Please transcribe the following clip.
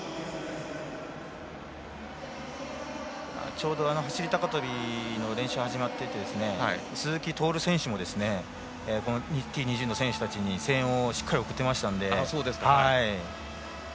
ちょうど走り高跳びの練習が始まっていて鈴木徹選手もＴ２０の選手たちに声援をしっかり送っていましたので。